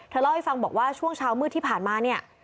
เล่าให้ฟังบอกว่าช่วงเช้ามืดที่ผ่านมาเนี่ย